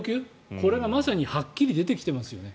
これがまさにはっきり出てきてますよね。